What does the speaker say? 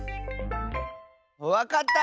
わかった！